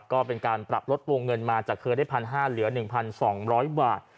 ก็เป็นการปรับลดวงเงินมาจากเคยได้๑๕๐๐เหลือ๑๒๐๐บาท